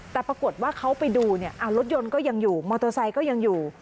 แต่ปรากฏว่าเขาไปดูเนี่ยรถยนต์ก็ยังอยู่มอเตอร์ไซค์ก็ยังอยู่